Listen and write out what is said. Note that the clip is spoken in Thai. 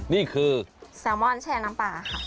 นี่คือแซลมอนแช่น้ำปลาค่ะ